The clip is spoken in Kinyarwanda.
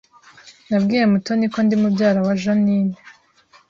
Nabwiye Mutoni ko ndi mubyara wa Jeaninne